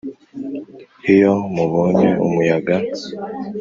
Iyo mubonye umuyaga